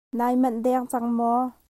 Nai manh deng cang maw?